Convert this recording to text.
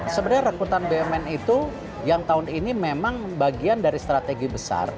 sebenarnya rekrutan bumn itu yang tahun ini memang bagian dari strategi besar